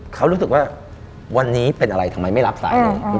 เขารู้สึกว่าวันนี้เป็นอะไรทำไมไม่รับสายเลย